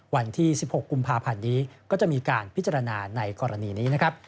วันที่๑๖กุมภาพันธ์นี้ก็จะมีการพิจารณาในกรณีนี้นะครับ